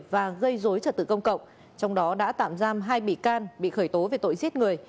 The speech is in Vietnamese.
và gây dối trật tự công cộng trong đó đã tạm giam hai bị can bị khởi tố về tội giết người